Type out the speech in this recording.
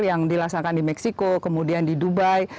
yang dilaksanakan di meksiko kemudian di dubai